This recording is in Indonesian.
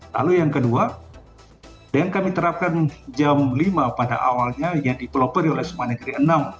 lalu yang kedua yang kami terapkan jam lima pada awalnya yang dipelopori oleh sma negeri enam